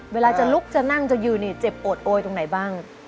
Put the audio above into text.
เวลาจะลุกจะนั่งจะยืนเนี่ยเจ็บโอดโอยตรงไหนบ้าง